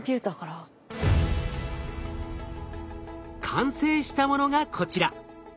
完成したものがこちら。